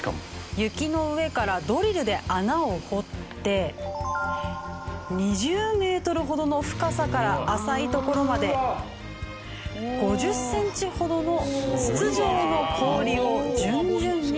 雪の上からドリルで穴を掘って２０メートルほどの深さから浅いところまで５０センチほどの筒状の氷を順々に採取していきます。